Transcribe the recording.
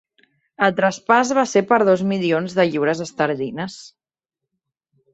El traspàs va ser per dos milions de lliures esterlines.